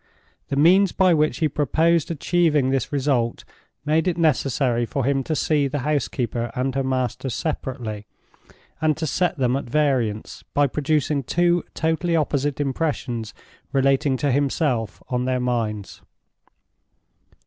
The means by which he proposed achieving this result made it necessary for him to see the housekeeper and her master separately, and to set them at variance by producing two totally opposite impressions relating to himself on their minds.